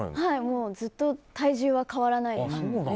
ずっと体重は変わらないです。